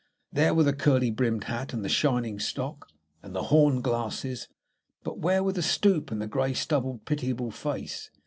There were the curly brimmed hat, and the shining stock, and the horn glasses, but where were the stoop and the grey stubbled, pitiable face?